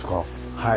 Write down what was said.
はい。